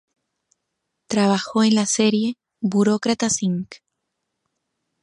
Trabajó en la serie "Burócratas Inc.